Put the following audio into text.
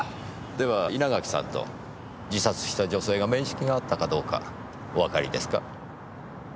では稲垣さんと自殺した女性が面識があったかどうかおわかりですか？